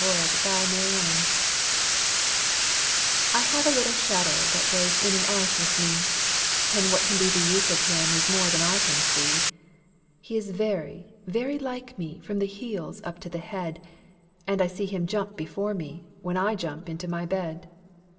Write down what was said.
[Pg 20] MY SHADOW I have a little shadow that goes in and out with me, And what can be the use of him is more than I can see. He is very, very like me from the heels up to the head; And I see him jump before me, when I jump into my bed.